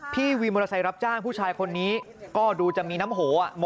ขอบคุณครับ